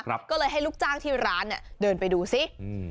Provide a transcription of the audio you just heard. ก็เลยให้ลูกจ้างที่ร้านเนี้ยเดินไปดูซิอืม